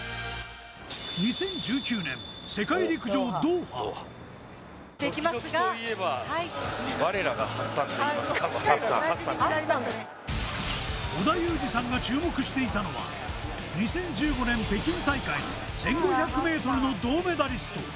もうもう織田裕二さんが注目していたのは２０１５年北京大会１５００ｍの銅メダリスト